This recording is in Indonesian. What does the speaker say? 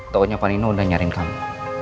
tokonya panino udah nyariin kamu